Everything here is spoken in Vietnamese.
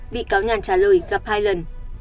bị cáo nhàn trả lời gặp hai lần